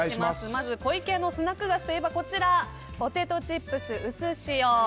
まず湖池屋のスナック菓子といえばポテトチップスうすしお。